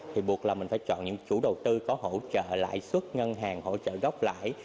thì buộc là mình phải chọn những chủ đầu tư có hỗ trợ lãi suất ngân hàng hỗ trợ gốc lãi